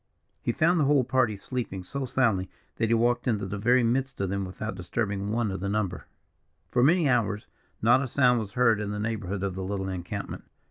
He found the whole party sleeping so soundly that he walked into the very midst of them without disturbing one of the number. For many hours, not a sound was heard in the neighbourhood of the little encampment.